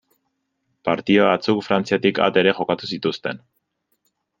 Partida batzuk Frantziatik at ere jokatu zituzten.